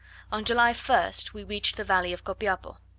On July 1st we reached the valley of Copiapo.